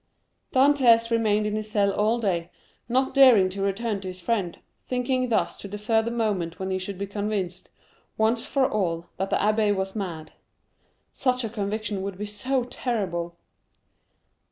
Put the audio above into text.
Dantès remained in his cell all day, not daring to return to his friend, thinking thus to defer the moment when he should be convinced, once for all, that the abbé was mad—such a conviction would be so terrible!